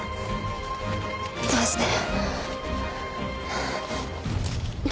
どうして？